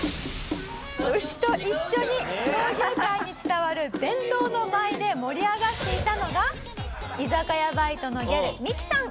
牛と一緒に闘牛界に伝わる伝統の舞で盛り上がっていたのが居酒屋バイトのギャルミキさん。